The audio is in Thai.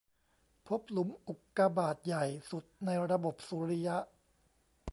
พบหลุมอุกกาบาตใหญ่สุดในระบบสุริยะ